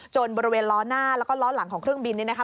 บริเวณล้อหน้าแล้วก็ล้อหลังของเครื่องบินนี่นะคะ